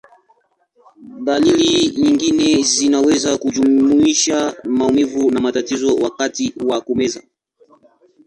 Dalili nyingine zinaweza kujumuisha maumivu na matatizo wakati wa kumeza.